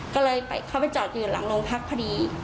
ก็เลยเข้าไปจอดอยู่หลังโรงพักพอดี